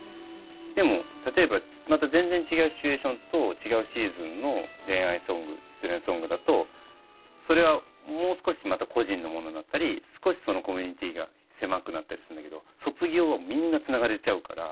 でも例えばまた全然違うシチュエーションと違うシーズンの恋愛ソング失恋ソングだとそれはもう少しまた個人のものになったり少しそのコミュニティーが狭くなったりするんだけど卒業はみんなつながれちゃうから。